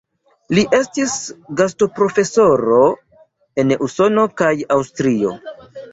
Li estis gastoprofesoro en Usono kaj Aŭstrio.